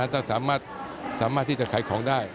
ถ้าสามารถที่จะขายของได้